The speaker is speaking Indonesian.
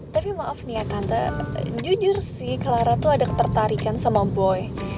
tapi maaf nih ya kanta jujur sih clara tuh ada ketertarikan sama boy